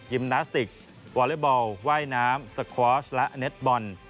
ยิมนาสติกวอลเลอร์บอลว่ายน้ำสกวอร์ชและเน็ตบอล